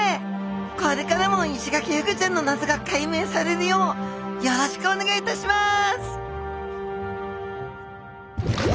これからもイシガキフグちゃんの謎が解明されるようよろしくお願いいたします！